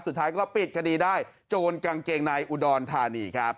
สุดท้ายก็ปิดคดีได้โจรกางเกงในอุดรธานีครับ